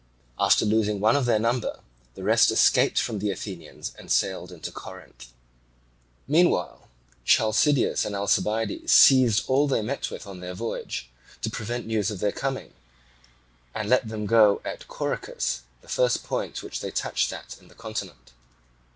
After losing one of their number, the rest escaped from the Athenians and sailed into Corinth. Meanwhile Chalcideus and Alcibiades seized all they met with on their voyage, to prevent news of their coming, and let them go at Corycus, the first point which they touched at in the continent.